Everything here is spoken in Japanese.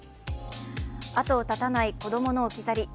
後を絶たない子供の置き去り。